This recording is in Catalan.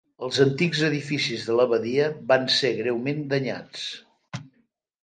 Els antics edificis de l'abadia van ser greument danyats.